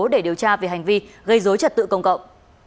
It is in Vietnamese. để điều tra về hành vi gây dối trật tự công cộng